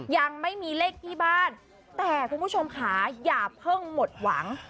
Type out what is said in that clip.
ยังไม่มีเลขที่บ้านแต่คุณผู้ชมค่ะอย่าเพิ่งหมดหวัง